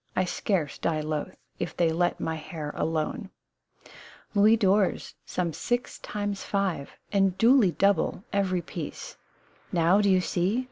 I scarce die loth If they let my hair alone !" Louis d'or, some six times five, And duly double, every piece. Now, do you see